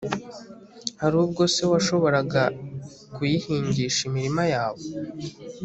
hari ubwo se washobora kuyihingisha imirima yawe